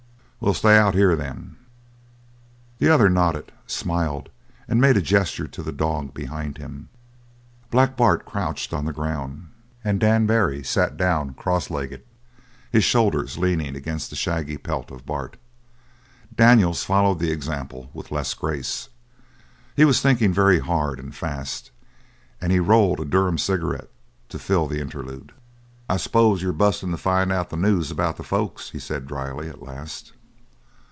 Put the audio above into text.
"We'll stay out here, then." The other nodded, smiled, and made a gesture to the dog behind him. Black Bart crouched on the ground, and Dan Barry sat down cross legged, his shoulders leaning against the shaggy pelt of Bart. Daniels followed the example with less grace. He was thinking very hard and fast, and he rolled a Durham cigarette to fill the interlude. "I s'pose you're bustin' to find out the news about the folks," he said dryly, at last.